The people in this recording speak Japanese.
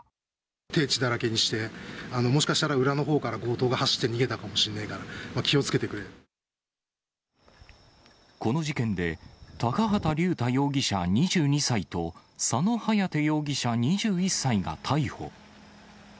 手を血だらけにして、もしかしたら裏のほうから強盗が走って逃げたかもしんないから気この事件で、高畑竜太容疑者２２歳と、佐野颯容疑者２１歳が逮捕。